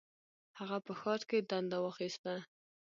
هغه په ښار کې دنده واخیسته.